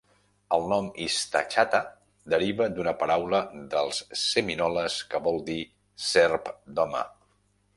El nom "Istachatta" deriva d'una paraula dels seminoles que vol dir "serp d'home".